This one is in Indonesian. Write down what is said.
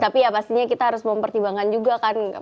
tapi ya pastinya kita harus mempertimbangkan juga kan